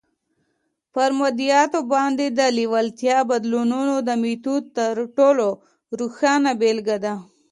پر مادياتو باندې د لېوالتیا بدلولو د ميتود تر ټولو روښانه بېلګه ده.